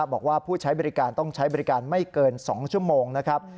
บอกว่าผู้ใช้บริการต้องใช้บริการไม่เกิน๒ชั่วโมงนะครับ